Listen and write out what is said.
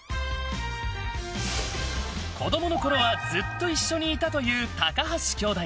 子供のころはずっと一緒にいたという高橋兄弟。